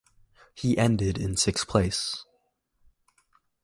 He ended in sixth place.